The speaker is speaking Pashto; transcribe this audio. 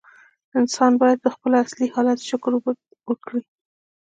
انسان باید په خپل اصلي حالت شکر وکړي.